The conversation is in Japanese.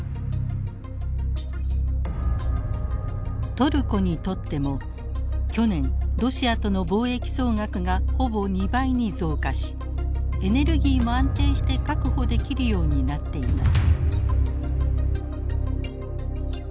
トルコにとっても去年ロシアとの貿易総額がほぼ２倍に増加しエネルギーも安定して確保できるようになっています。